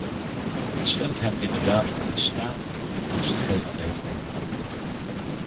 Dat stelt hem inderdaad in staat om een impuls te geven aan de hervormingen.